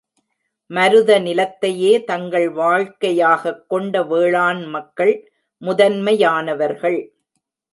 மருதநிலத்தையே தங்கள் வாழ்க்கை யாகக் கொண்ட வேளாண் மக்கள், முதன்மையானவர்கள்.